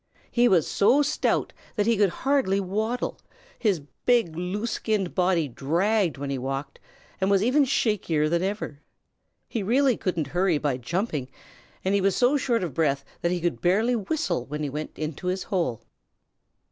He was so stout that he could hardly waddle, his big, loose skinned body dragged when he walked, and was even shakier than ever. He really couldn't hurry by jumping and he was so short of breath that he could barely whistle when he went into his hole.